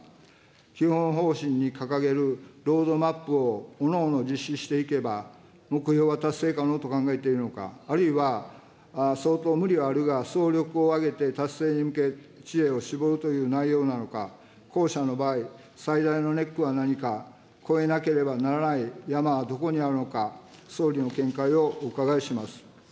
基本方針に掲げるロードマップをおのおの実施していけば、目標は達成可能と考えているのか、あるいは相当無理はあるが、総力を挙げて達成に向け知恵を絞るという内容なのか、後者の場合、最大のネックは何か、越えなければならない山はどこにあるのか、総理の見解をお伺いします。